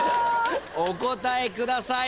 お答えください。